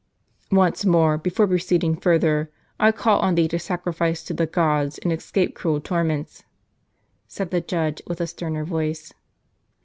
" Once more, before proceeding further, I call on thee to sacrifice to the gods, and escape cruel torments," said the judge, with a sterner voice.